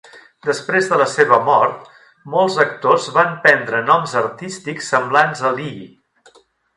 Després de la seva mort, molts actors van prendre noms artístics semblants a Lee.